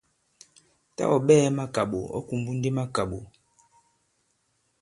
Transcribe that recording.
Tâ ɔ̀ ɓɛɛ̄ makàɓò, ɔ̌ kùmbu ndi makàɓò.